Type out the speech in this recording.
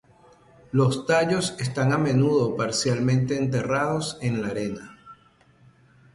Los tallos están a menudo parcialmente enterrados en la arena.